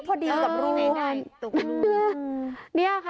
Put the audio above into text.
พอดีดีกับรู